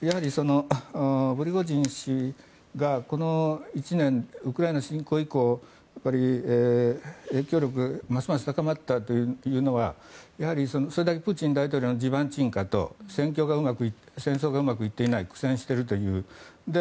プリゴジン氏がこの１年ウクライナ侵攻以降影響力がますます高まったというのはやはりそれだけプーチン大統領の地盤沈下と戦争がうまくいっていない苦戦しているという。